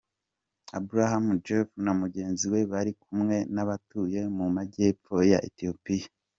Abrahem Joffe na mugenzi we bari kumwe n’abatuye mu majyepfo ya Etiyopiya.